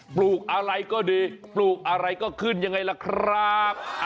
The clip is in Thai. ปลูกอะไรก็ดีปลูกอะไรก็ขึ้นยังไงล่ะครับ